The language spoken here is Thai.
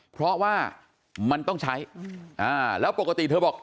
เพราะว่ามันต้องใช้แล้วปกติเธอบอก